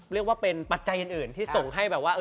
เรียกว่าเป็นปัจจัยอื่นที่ส่งให้แบบว่า